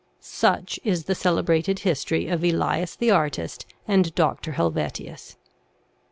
Such is the celebrated history of Elias the artist and Dr. Helvetius.